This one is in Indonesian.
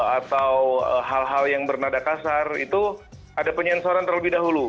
atau hal hal yang bernada kasar itu ada penyensoran terlebih dahulu